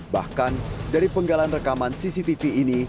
bahkan dari penggalan rekaman cctv ini